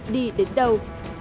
đi đến đâu